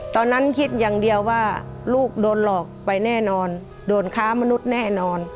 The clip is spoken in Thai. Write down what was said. ตอนนั้นคิดอย่างเดียวว่าลูกโดนหลอกไปแน่นอนโดนค้ามนุษย์แน่นอน